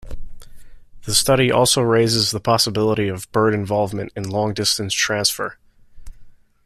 The study also raises the possibility of bird involvement in long-distance transfer.